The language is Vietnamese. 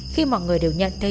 khi mọi người đều nhận thấy